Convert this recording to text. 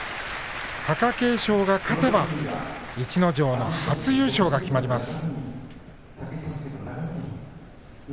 貴景勝が勝てば逸ノ城の初優勝が決まります。